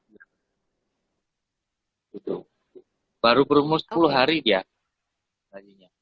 baru berumur sepuluh hari dia